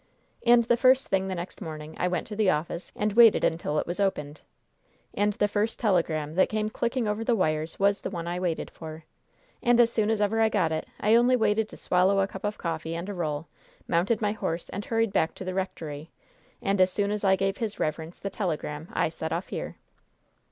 "And the first thing the next morning I went to the office, and waited until it was opened. And the first telegram that came clicking over the wires was the one I waited for. And, as soon as ever I got it, I only waited to swallow a cup of coffee and a roll, mounted my horse, and hurried back to the rectory. And as soon as I gave his reverence the telegram I set off here!"